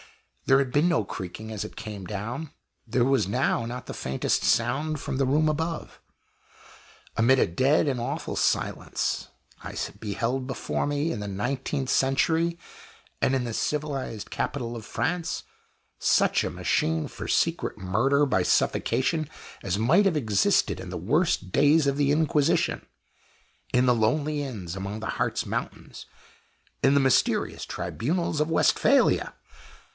There had been no creaking as it came down; there was now not the faintest sound from the room above. Amid a dead and awful silence I beheld before me in the nineteenth century, and in the civilized capital of France such a machine for secret murder by suffocation as might have existed in the worst days of the Inquisition, in the lonely inns among the Hartz Mountains, in the mysterious tribunals of Westphalia!